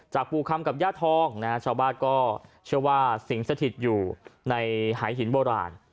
ปู่คำกับย่าทองนะฮะชาวบ้านก็เชื่อว่าสิงสถิตอยู่ในหายหินโบราณ